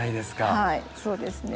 はいそうですね。